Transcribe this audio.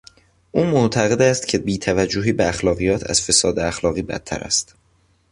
او معتقد است که بیتوجهی به اخلاقیات از فساد اخلاقی بدتر است.